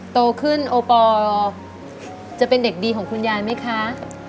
โตขึ้นโอปอลจะเป็นเด็กดีของคุณยายไหมคะ